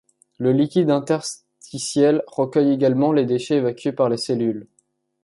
Le liquide interstitiel receuille également les déchets evacués par les cellules.